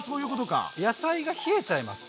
野菜が冷えちゃいますと。